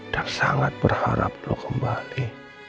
dan sangat berharap lu kembali